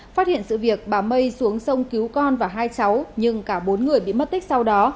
phát hiện sự việc bà mây xuống sông cứu con và hai cháu nhưng cả bốn người bị mất tích sau đó